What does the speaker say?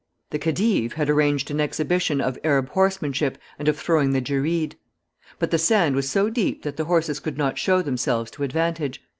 The khedive had arranged an exhibition of Arab horsemanship and of throwing the Jereed; but the sand was so deep that the horses could not show themselves to advantage.